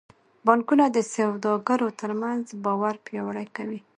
بانکونه د سوداګرو ترمنځ باور پیاوړی کوي.